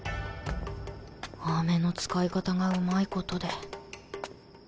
アメの使い方がうまいことで